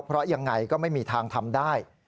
เพราะยังไงก็ไม่มีทางทำได้